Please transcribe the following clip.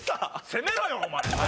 攻めろよお前！